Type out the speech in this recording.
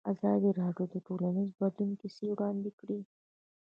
ازادي راډیو د ټولنیز بدلون کیسې وړاندې کړي.